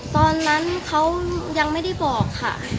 ตอนนั้นเขายังไม่ได้บอกค่ะ